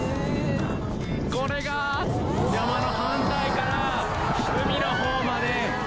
これが山の反対から海のほうまで全部が見渡せる。